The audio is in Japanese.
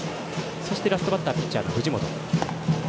そしてラストバッターピッチャーの藤本。